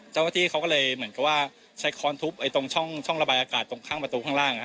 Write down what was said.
เจ้าหน้าที่เขาก็เลยเหมือนกับว่าใช้ค้อนทุบตรงช่องระบายอากาศตรงข้างประตูข้างล่าง